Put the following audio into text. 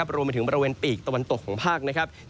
รวมไปถึงบริเวณปีกตะวันตกของภาคนะครับ